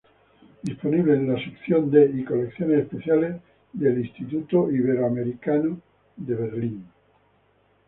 Disponible en la sección de y colecciones especiales del Ibero-Amerikanische Institut de Berlín.